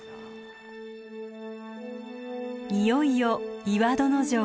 いよいよ岩殿城へ。